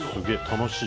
楽しい。